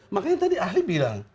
makanya tadi ahli bilang